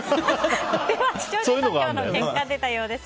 視聴者投票の結果出たようです。